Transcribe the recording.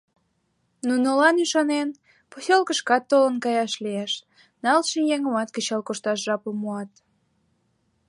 Нунылан ӱшанен, поселкышкат толын каяш лиеш, налше еҥымат кычал кошташ жапым муат.